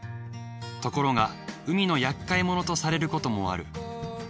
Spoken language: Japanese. ところが海のやっかい者とされることもある。